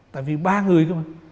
tại vì ba người thôi